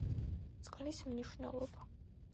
წყლის მნიშვნელობა